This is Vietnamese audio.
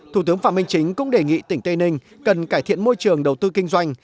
thủ tướng phạm minh chính cũng đề nghị tỉnh tây ninh cần cải thiện môi trường đầu tư kinh doanh